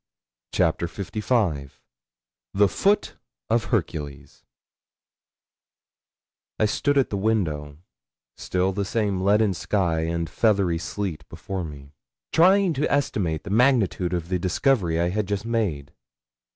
CHAPTER LV THE FOOT OF HERCULES I stood at the window still the same leaden sky and feathery sleet before me trying to estimate the magnitude of the discovery I had just made.